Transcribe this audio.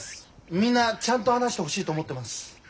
みんなちゃんと話してほしいと思ってます。